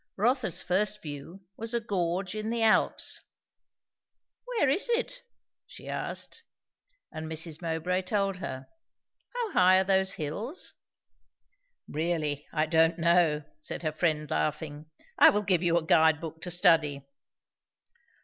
Rotha's first view was a gorge in the Alps. "Where is it?" she asked. And Mrs. Mowbray told her. "How high are those hills?" "Really, I don't know," said her friend laughing. "I will give you a guide book to study."